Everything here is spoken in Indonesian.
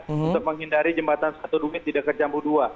untuk menghindari jembatan satu duit di dekat jambu dua